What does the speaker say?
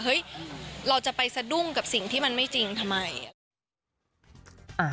เฮ่ยเราจะไปซะดุ้งกับสิ่งที่มันไม่จริงทำไม